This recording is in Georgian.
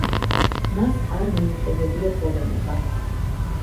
მას არ მიუტოვებია პოლემიკა.